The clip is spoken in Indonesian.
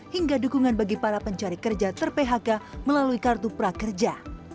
hingga dukungan bagi para pencari kerja ter phk melalui kartu prakerja